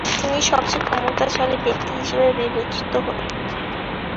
তিনি সবচেয়ে ক্ষমতাশালী ব্যক্তি হিসেবে বিবেচিত হতেন।